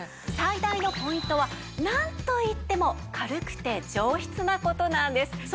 最大のポイントはなんといっても軽くて上質な事なんです。